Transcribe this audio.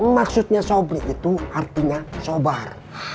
maksudnya sobri itu artinya sobar